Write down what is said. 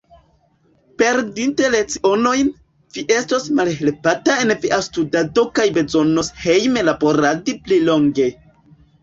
Perdinte lecionojn, vi estos malhelpata en via studado kaj bezonos hejme laboradi pli longe.